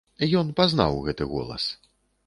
Ён пазнаў гэты голас.